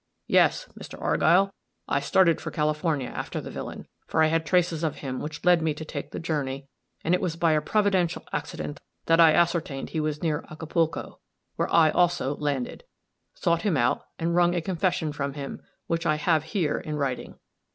Yes! Mr. Argyll, I started for California after the villain, for I had traces of him which led me to take the journey, and it was by a providential accident that I ascertained he was near Acapulco, where I, also, landed, sought him out, and wrung a confession from him, which I have here in writing.